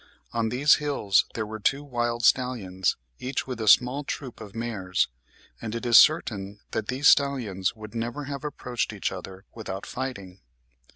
On these hills there were two wild stallions, each with a small troop of mares; "and it is certain that these stallions would never have approached each other without fighting.